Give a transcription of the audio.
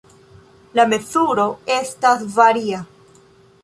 La mezuro estas varia.